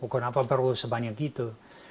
kenapa perlu sebanyak itu